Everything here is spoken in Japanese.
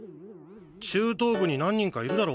中等部に何人かいるだろ？